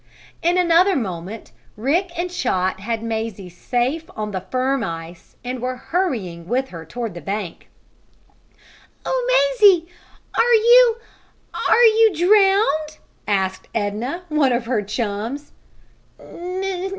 In another moment Rick and Chot had Mazie safe on the firm ice and were hurrying with her toward the bank. "Oh, Mazie! are you are you drowned?" asked Edna, one of her chums.